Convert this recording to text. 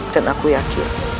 dan aku yakin